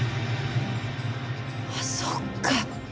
あっそっか。